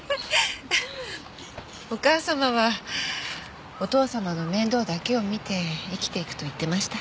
お義母様はお義父様の面倒だけを見て生きていくと言ってました。